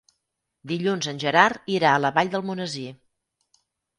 Dilluns en Gerard irà a la Vall d'Almonesir.